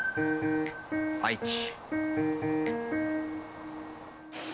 愛知。